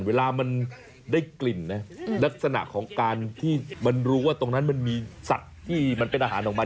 เวลามันได้กลิ่นนะลักษณะของการที่มันรู้ว่าตรงนั้นมันมีสัตว์ที่มันเป็นอาหารของมัน